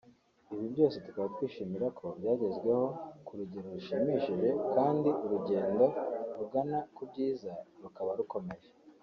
Ibi byose tukaba twishimira ko byagezweho ku rugero rushimishije kandi urugendo rugana ku byiza rukaba rukomeje